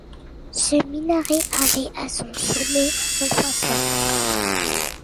Ce minaret avait à son sommet un croissant.